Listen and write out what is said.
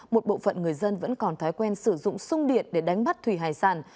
một bộ phận người dân vẫn còn thói quen sử dụng sung điện để đánh bắt thủy hải sản